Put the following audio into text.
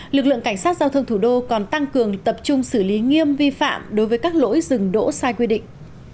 lực lượng cảnh sát giao thông thủ đô còn tăng cường tập trung xử lý nghiêm vi phạm đối với các lỗi dừng đỗ sai quy định